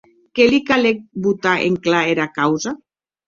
Que li calec botar en clar era causa.